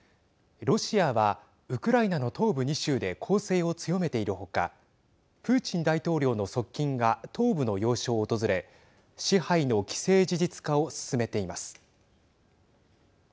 ロシアはウクライナの東部２州で攻勢を強めているほかプーチン大統領の側近が東部の要衝を訪れ支配の既成事実化を進めています。